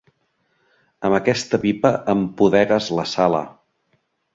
Amb aquesta pipa empudegues la sala.